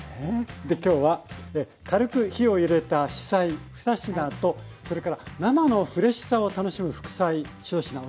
今日は軽く火を入れた主菜２品とそれから生のフレッシュさを楽しむ副菜１品を教えて頂きますね。